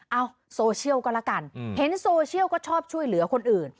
โซเชียลก็แล้วกันเห็นโซเชียลก็ชอบช่วยเหลือคนอื่น